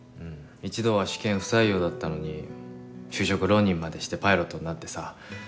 一度は試験不採用だったのに就職浪人までしてパイロットになってさ。